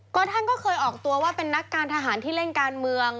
ก็ท่านก็เคยออกตัวว่าเป็นนักการทหารที่เล่นการเมือง